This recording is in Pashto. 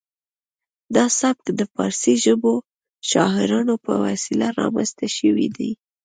دا سبک د پارسي ژبو شاعرانو په وسیله رامنځته شوی دی